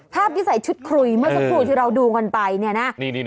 ที่ใส่ชุดคุยเมื่อสักครู่ที่เราดูกันไปเนี่ยนะ